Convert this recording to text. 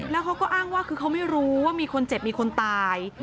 แล้วเขาก็อ้างว่าคือเขาไม่รู้ว่ามีคนเจ็บมีคนตาย